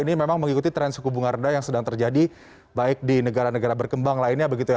ini memang mengikuti tren suku bunga rendah yang sedang terjadi baik di negara negara berkembang lainnya begitu ya